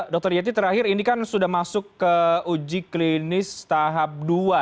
dr yeti terakhir ini kan sudah masuk ke uji klinis tahap dua